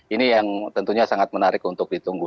ini yang tentunya sangat menarik untuk ditunggu